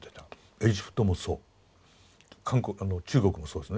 エジプトもそう中国もそうですね。